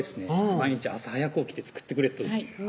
毎日朝早く起きて作ってくれるとです